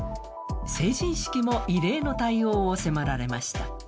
成人式も異例の対応を迫られました。